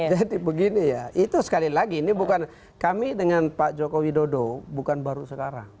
jadi begini ya itu sekali lagi ini bukan kami dengan pak joko widodo bukan baru sekarang